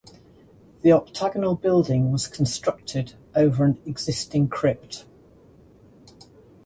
The octagonal building was constructed over an existing crypt.